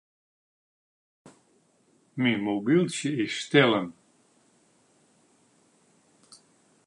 Myn mobyltsje is stellen.